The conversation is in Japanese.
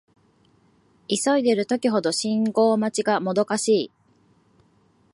急いでいる時ほど信号待ちがもどかしい